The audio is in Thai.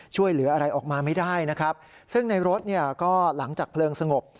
ช่วยเหลืออะไรออกมาไม่ได้นะครับซึ่งในรถเนี่ยก็หลังจากเพลิงสงบ